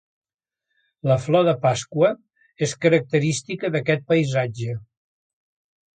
La flor de pasqua, és característica d'aquest paisatge.